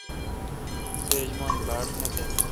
سیچ من ۔بھاش نہ تہ۔